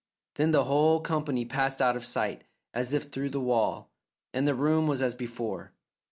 Then the whole company passed out of sight, as if through the wall, and the room was as before.